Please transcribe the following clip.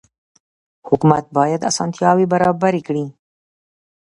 حکومت باید اسانتیاوې برابرې کړي.